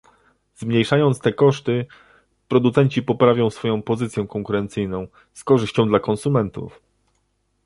Zmniejszając te koszty, producenci poprawią swoją pozycję konkurencyjną, z korzyścią dla konsumentów